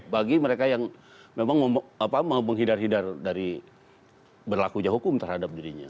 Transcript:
bagi mereka yang memang menghidar hidar dari berlakunya hukum terhadap dirinya